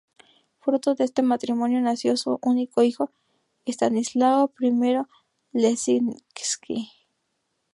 Fruto de este matrimonio nació su único hijo Estanislao I Leszczynski.